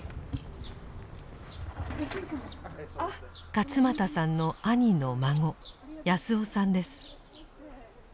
勝又さんの兄の孫康雄さんです。